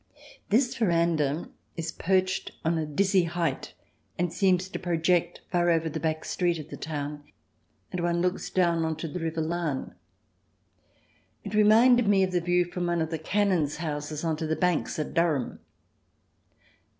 This veranda is perched on a dizzy height, and seems to project far over the back street of the town. One looks down on to the River Lahn. It reminded me of the view from one of the Canon's houses on to the Banks at Durham.